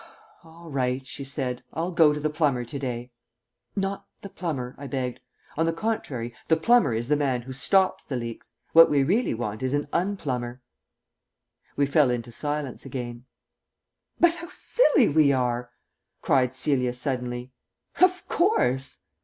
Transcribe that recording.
"All right," she said, "I'll go to the plumber to day." "Not the plumber," I begged. "On the contrary. The plumber is the man who stops the leaks. What we really want is an unplumber." We fell into silence again. "But how silly we are!" cried Celia suddenly. "Of course!"